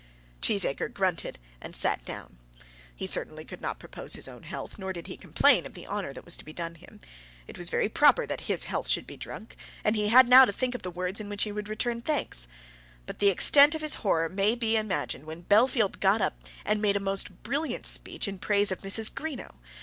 Cheesacre grunted and sat down. He certainly could not propose his own health, nor did he complain of the honour that was to be done him. It was very proper that his health should be drunk, and he had now to think of the words in which he would return thanks. But the extent of his horror may be imagined when Bellfield got up and made a most brilliant speech in praise of Mrs. Greenow.